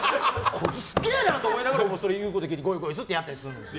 こいつ、すげえなと思いながら言うこと聞いてゴイゴイスーってやったりするんですよ。